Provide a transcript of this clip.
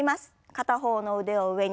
片方の腕を上に。